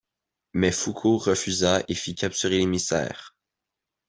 Mais Foucault refusa et fit capturer l'émissaire.